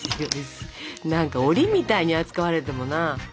何かおりみたいに扱われてもな。